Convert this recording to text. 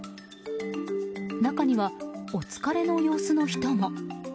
中にはお疲れの様子の人も。